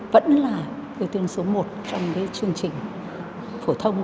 vẫn là người tương số một trong cái chương trình phổ thông